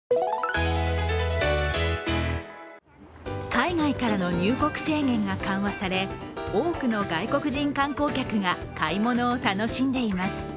海外からの入国制限が緩和され、多くの外国人観光客が買い物を楽しんでいます。